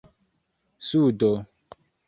sudo